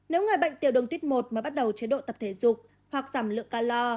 nếu người bệnh tiểu đường tuyết một mới bắt đầu chế độ tập thể dục hoặc giảm lượng calo